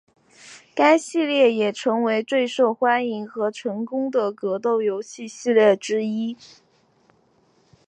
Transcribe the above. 该系列也成为了最受欢迎和成功的格斗游戏系列之一。